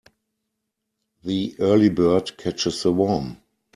The early bird catches the worm.